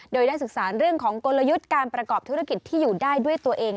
โดยได้ศึกษาเรื่องของกลยุทธ์การประกอบธุรกิจที่อยู่ได้ด้วยตัวเอง